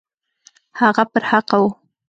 هغه پر حقه وو.